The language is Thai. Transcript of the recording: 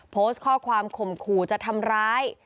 โพสต์ข้อความข่มขู่จะทำร้าย